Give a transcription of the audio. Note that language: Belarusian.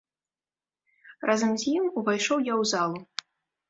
Разам з ім увайшоў я ў залу.